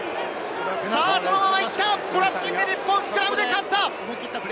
そのまま行ったコラプシング、日本、スクラムで勝った！